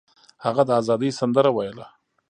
هغه د ازادۍ سندره ویله.